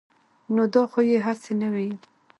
نو دا خو يې هسې نه وييل -